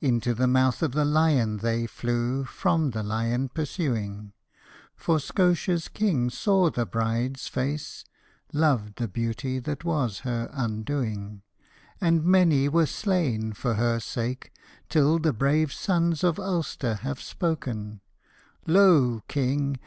Into the mouth of the lion they flew from the lion pursuing, For Scotia's king saw the bride's face — loved the beauty that was her undoing, And many were slain for her sake, till the brave sons of Ulster have spoken :' Lo, King